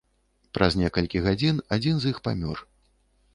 Праз некалькі гадзін адзін з іх памёр.